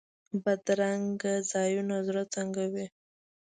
بدرنګه ځایونه زړه تنګوي